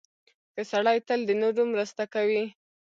• ښه سړی تل د نورو مرسته کوي.